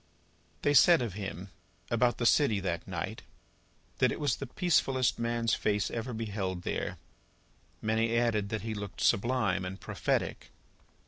They said of him, about the city that night, that it was the peacefullest man's face ever beheld there. Many added that he looked sublime and prophetic.